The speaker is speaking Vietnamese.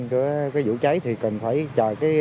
của cái vụ cháy thì cần phải chờ